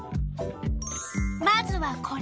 まずはこれ。